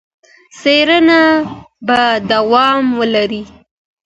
څېړنه به دوام ولري.